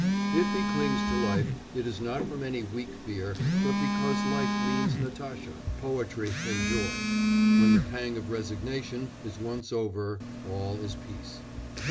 If he clings to life it is not from any weak fear but because life means Natasha, poetry, and joy; when the pang of resignation is once over, all is peace.